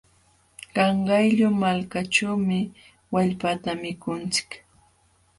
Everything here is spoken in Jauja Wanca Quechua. Qanqayllu malkaćhuumi wallpata mikunchik.